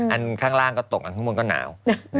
อันข้างล่างก็ตกอันข้างบนก็หนาว